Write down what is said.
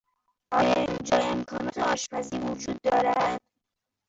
آیا اینجا امکانات آشپزی وجود دارد؟